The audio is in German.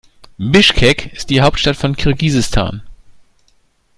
Bischkek ist die Hauptstadt von Kirgisistan.